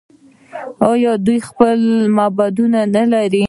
آیا دوی خپل معبدونه نلري؟